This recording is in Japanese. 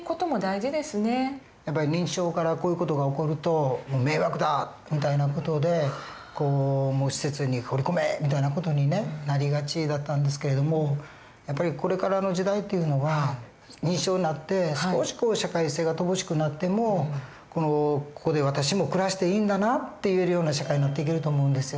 やっぱり認知症からこういう事が起こると「迷惑だ！」みたいな事で施設に放り込めみたいな事にねなりがちだったんですけれどもやっぱりこれからの時代っていうのは認知症になって少し社会性が乏しくなっても「ここで私も暮らしていいんだな」って言えるような社会になっていけると思うんですよ。